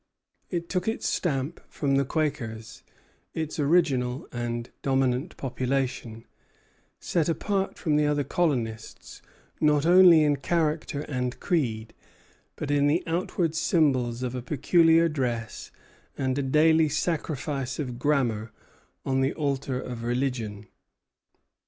It took its stamp from the Quakers, its original and dominant population, set apart from the other colonists not only in character and creed, but in the outward symbols of a peculiar dress and a daily sacrifice of grammar on the altar of religion.